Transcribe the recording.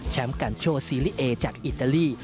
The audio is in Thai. แชมป์กันโชว์ซีรีส์เอจากอิตาลี